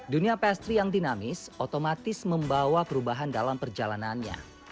dunia pastry yang dinamis otomatis membawa perubahan dalam perjalanannya